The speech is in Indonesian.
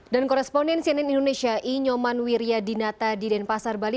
dan koresponen cnn indonesia i nyoman wiryadinata di denpasar bali